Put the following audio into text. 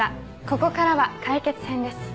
ここからは解決編です。